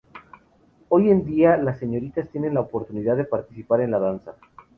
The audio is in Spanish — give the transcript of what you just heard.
Hoy en día las señoritas tienen la oportunidad de participar en la danza.